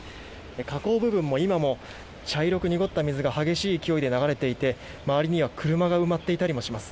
河口部分も今も茶色く濁った水が激しい勢いで流れていて周りには車が埋まっていたりもします。